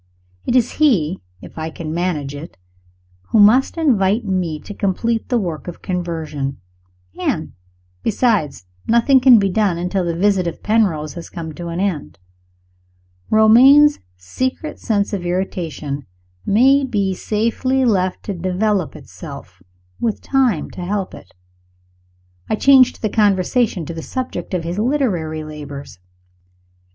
It is he, if I can manage it, who must invite me to complete the work of conversion and, besides, nothing can be done until the visit of Penrose has come to an end. Romayne's secret sense of irritation may be safely left to develop itself, with time to help it. I changed the conversation to the subject of his literary labors.